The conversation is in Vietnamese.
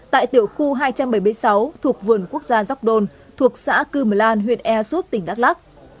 năm một nghìn chín trăm bảy mươi sáu thuộc vườn quốc gia jogdon thuộc xã cư mờ lan huyện ea súp tỉnh đắk lắc